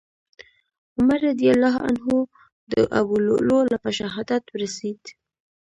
عمر رضي الله عنه د ابولؤلؤ له په شهادت ورسېد.